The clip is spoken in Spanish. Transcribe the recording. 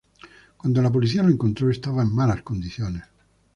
Cuando la policía lo encontró, estaba en malas condiciones.